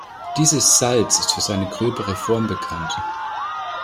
Dieses Salz ist für seine gröbere Form bekannt.